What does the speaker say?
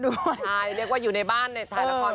ใช่เรียกว่าอยู่ในบ้านในถ่ายละคร